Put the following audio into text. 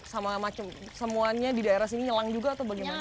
sama macam semuanya di daerah sini nyelang juga atau bagaimana